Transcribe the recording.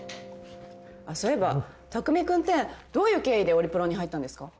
あっそういえば匠君ってどういう経緯でオリプロに入ったんですか？